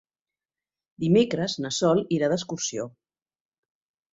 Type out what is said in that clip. Dimecres na Sol irà d'excursió.